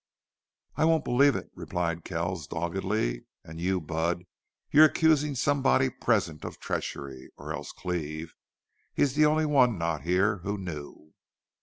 "I won't believe it," replied Kells, doggedly. "And you, Budd, you're accusing somebody present of treachery or else Cleve. He's the only one not here who knew."